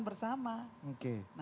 jalan yang menuju keselamatan bersama